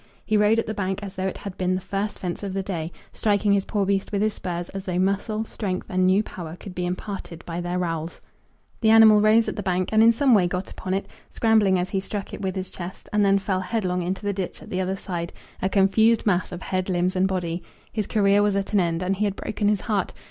He rode at the bank as though it had been the first fence of the day, striking his poor beast with his spurs, as though muscle, strength, and new power could be imparted by their rowels. The animal rose at the bank and in some way got upon it, scrambling as he struck it with his chest, and then fell headlong into the ditch at the other side, a confused mass of head, limbs, and body. His career was at an end, and he had broken his heart!